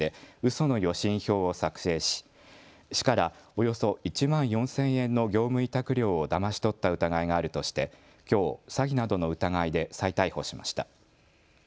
その予診票を作成し市からおよそ１万４０００円の業務委託料をだまし取った疑いがあるとしてきょう、詐欺などの疑いで再逮捕しました。